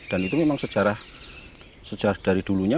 dan itu memang sejarah dari dulunya